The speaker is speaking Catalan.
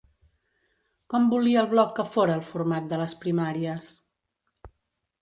Com volia el Bloc que fora el format de les primàries?